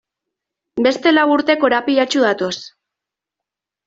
Beste lau urte korapilatsu datoz.